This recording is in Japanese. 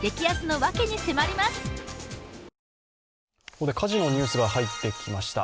ここで火事のニュースが入ってきました。